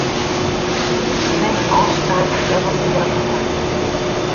Plan in ôfspraak om njoggen oere mei Marten.